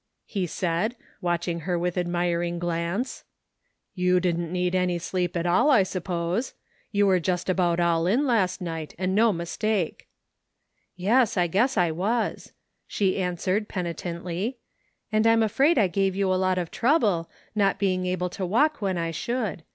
he said, watching her with admiring glance, " You didn't need any sleep at all, I suppose. You were just about all in last night and no mistake." " Yes, I guess I was," she answered penitently, " and I'ni afraid I gave you a lot of trouble, not being < able to walk when I should.